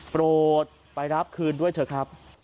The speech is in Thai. โปรดไปรับคืนด้วยเถอะครับ